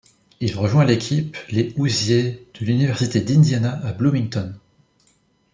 Il rejoint l'équipe les Hoosiers de l'université d'Indiana à Bloomington.